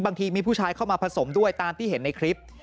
บางทีมีผู้ชายเข้ามาผสมด้วยตามที่เห็นในคลิป